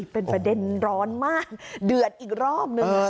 เป็นประเด็นร้อนมากเดือดอีกรอบนึง